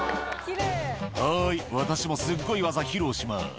「はい私もすっごい技披露します」